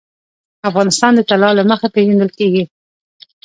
افغانستان د طلا له مخې پېژندل کېږي.